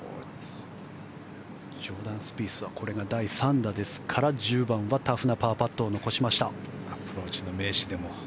ジョーダン・スピースはこれが第３打ですからタフなパーパットを残しました。